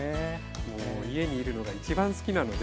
もう家にいるのがいちばん好きなので。